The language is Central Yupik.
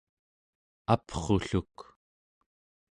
aprulluk